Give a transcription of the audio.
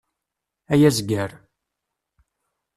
Ay azger!